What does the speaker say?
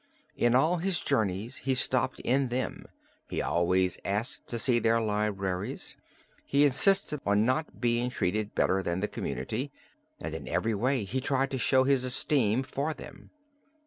In all his journeys he stopped in them, he always asked to see their libraries, he insisted on not being treated better than the community and in every way he tried to show his esteem for them.